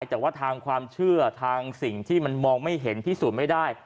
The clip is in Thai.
แต่ว่าทางความเชื่อทางสิ่งที่มันมองไม่เห็นพิสูจน์ไม่ได้